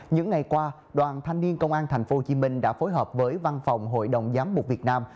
những ngày qua đoàn thanh niên công an tp hcm đã phối hợp với văn phòng hội đồng giám mục việt nam